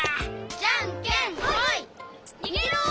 じゃんけんほい！にげろ！